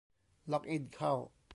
ล็อกอินเข้า